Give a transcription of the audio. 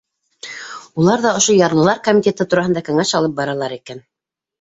Улар ҙа ошо ярлылар комитеты тураһында кәңәш алып баралар икән.